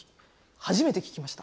初めて聞きました。